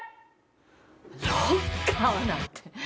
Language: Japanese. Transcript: ロッカーなんて。